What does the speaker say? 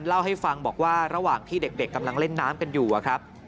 เล่าให้ฟังบอกว่าระหว่างที่เด็กกำลังเล่นน้ำกันอยู่ครับ